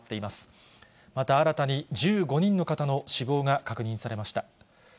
また新たに１５人の方の死亡が確認されました。